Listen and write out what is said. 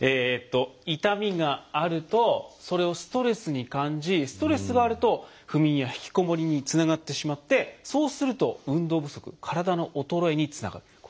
痛みがあるとそれをストレスに感じストレスがあると不眠や引きこもりにつながってしまってそうすると運動不足体の衰えにつながる。